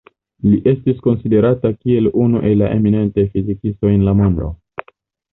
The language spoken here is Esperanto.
Li estis konsiderata kiel unu el la eminentaj fizikistoj en la mondo.